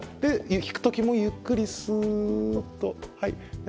引く時もゆっくりすーっと。